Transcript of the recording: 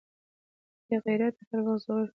بې غيرته هر وخت زور پر ښځو يا مظلومانو معلوموي.